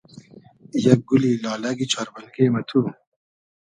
یئگ گولی لالئگی چار بئلگې مہ تو